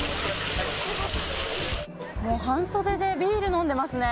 半袖でビール飲んでますね。